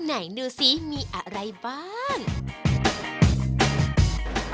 ไหนดูสิมีอะไรบ้าง